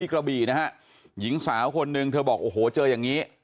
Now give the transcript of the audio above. กระบี่นะฮะหญิงสาวคนนึงเธอบอกโอ้โหเจออย่างนี้